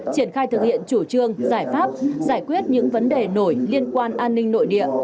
triển khai thực hiện chủ trương giải pháp giải quyết những vấn đề nổi liên quan an ninh nội địa